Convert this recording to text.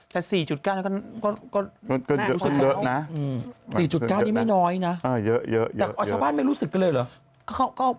แต่๔๙ก็รู้สึกเยอะนะ๔๙นี่ไม่น้อยนะเยอะแต่ชาวบ้านไม่รู้สึกกันเลยเหรอ